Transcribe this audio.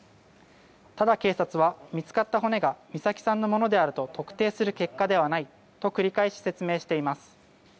ただ、警察は見つかった骨が美咲さんのものであると特定する結果ではないと繰り返し説明しています。